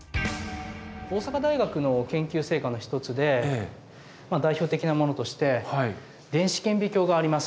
大阪大学の研究成果の一つで代表的なものとして電子顕微鏡があります。